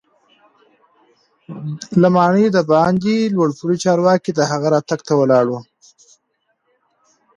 له ماڼۍ دباندې لوړ پوړي چارواکي د هغه راتګ ته ولاړ وو.